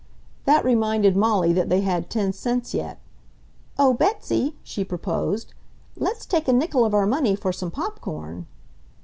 That reminded Molly that they had ten cents yet. "Oh, Betsy," she proposed, "let's take a nickel of our money for some pop corn."